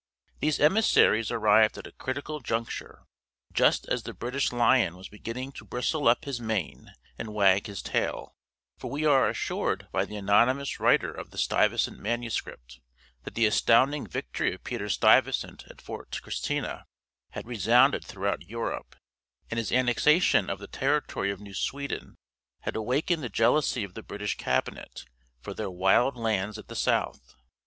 These emissaries arrived at a critical juncture, just as the British Lion was beginning to bristle up his mane and wag his tail; for we are assured by the anonymous writer of the Stuyvesant manuscript that the astounding victory of Peter Stuyvesant at Fort Christina had resounded throughout Europe, and his annexation of the territory of New Sweden had awakened the jealousy of the British Cabinet for their wild lands at the south.